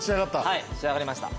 はい仕上がりました。